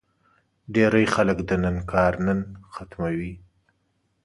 ډېری خلک د نن کار نن ختموي.